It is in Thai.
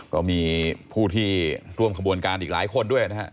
ก็มีผู้ที่ร่วมขบวนการอีกหลายคนด้วยนะฮะ